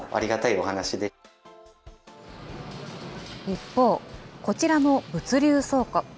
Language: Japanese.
一方、こちらの物流倉庫。